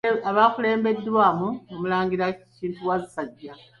Bakulembeddwamu Omulangira Kintu Wasajja.